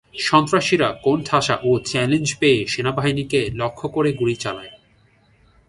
সন্ত্রাসীরা কোণঠাসা ও চ্যালেঞ্জ পেয়ে সেনাবাহিনীকে লক্ষ্য করে গুলি চালায়।